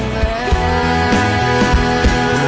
กลัว